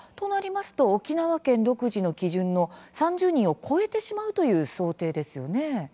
沖縄県独自の基準の３０人を超えてしまうという想定ですね。